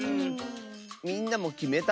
みんなもきめた？